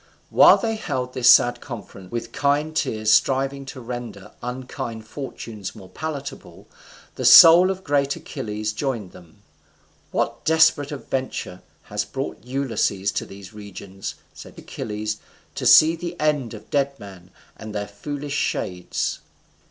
While they held this sad conference, with kind tears striving to render unkind fortunes more palatable, the soul of great Achilles joined them. "What desperate adventure has brought Ulysses to these regions," said Achilles; "to see the end of dead men, and their foolish shades?"